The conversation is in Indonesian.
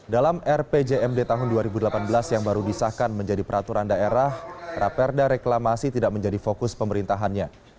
dalam rpjmd tahun dua ribu delapan belas yang baru disahkan menjadi peraturan daerah raperda reklamasi tidak menjadi fokus pemerintahannya